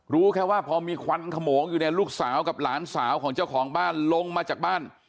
รู้แค่ว่าพอมีควันขโมงอยู่เนี่ยลูกสาวกับหลานสาวของเจ้าของบ้านลงมาจากบ้าน